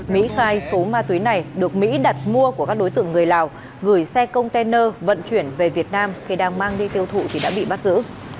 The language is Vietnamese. mỹ khai số ma túy này được mỹ đặt mua của các đối tượng người lào gửi xe container vận chuyển về việt nam khi đang mang đi tiêu thụ thì đã bị bắt giữ